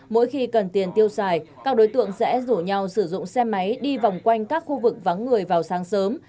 mỗi khi cần tiền tiêu xài các đối tượng sẽ rủ nhau sử dụng xe máy đi vòng quanh các khu vực vắng người vào sáng sớm